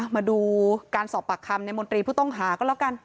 มาดูการสอบปากคำในมนตรีผู้ต้องหาก็แล้วกัน